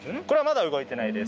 まだ動いてないです。